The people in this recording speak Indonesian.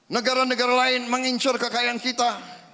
negara negara lain mengincur kekayaan kita